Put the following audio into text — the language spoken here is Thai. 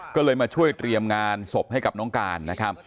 ก็เลยมาช่วยเตรียมงานศพให้กับน้องการนะครับ